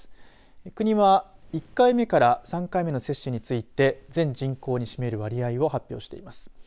国は１回目から３回目の接種について全人口に占める割合を発表しています。